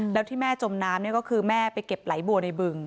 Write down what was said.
แล้วที่แม่จมน้ำก็คือแม่ไปเก็บไหลบัวในบึง